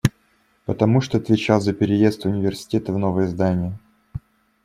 Потому что отвечал за переезд университета в новое здание.